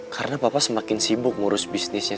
karena papa semakin sibuk urus bisnisnya